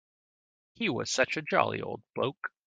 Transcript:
He was such a jolly old bloke.